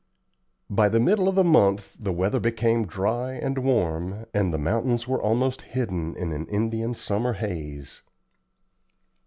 By the middle of the month the weather became dry and warm, and the mountains were almost hidden in an Indian summer haze.